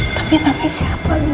tapi namanya siapa tuh